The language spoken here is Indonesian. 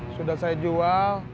sudah saya jual